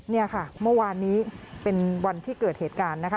นี่ค่ะเมื่อวานนี้เป็นวันที่เกิดเหตุการณ์นะคะ